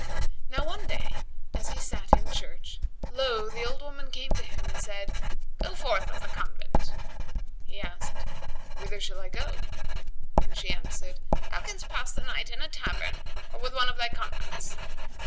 Now one day as he sat in church, lo! the old woman came to him and said, "Go forth of the convent." He asked, "Whither shall I go?" and she answered, "Thou canst pass the night in a tavern or with one of thy comrades."